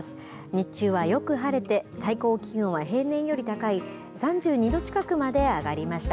日中はよく晴れて、最高気温は平年より高い３２度近くまで上がりました。